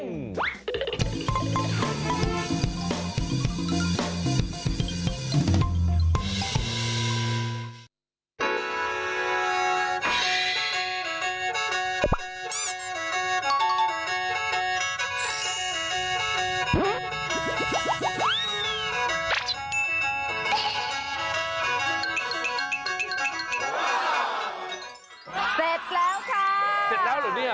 เสร็จแล้วค่ะเสร็จแล้วเหรอเนี่ย